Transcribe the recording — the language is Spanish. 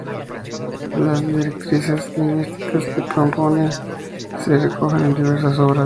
Las directrices lingüísticas que propone se recogen en diversas obras.